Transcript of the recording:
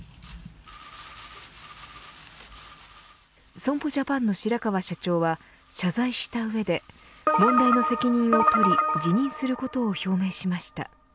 損保ジャパンの白川社長は謝罪した上で問題の責任を取り辞任することを表明しました。